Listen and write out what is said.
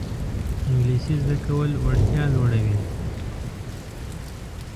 انګلیسي زده کول وړتیا لوړوي